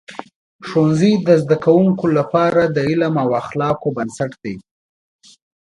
ښوونځي د زده کوونکو لپاره د علم او اخلاقو بنسټ دی.